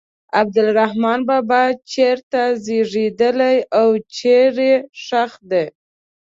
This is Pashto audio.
عبدالرحمان بابا چېرته زیږېدلی او چیرې ښخ دی.